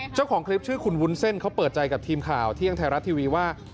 เจ้าของคลิปชื่อคุณวุ้นเส้นเขาเปิดใจกับทีมข่าวเที่ยงไทยรัฐทีวีว่า